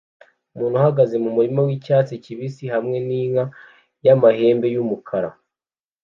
Umuntu ahagaze mumurima wicyatsi kibisi hamwe ninka yamahembe yumukara